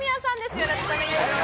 よろしくお願いします